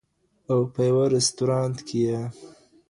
او په یوه ریستورانټ کي یې